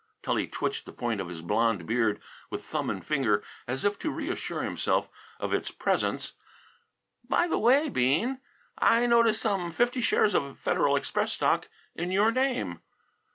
Tully twitched the point of his blond beard with thumb and finger as if to reassure himself of its presence. "By the way, Bean, I notice some fifty shares of Federal Express stock in your name.